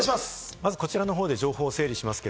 まず、こちらで情報を整理します。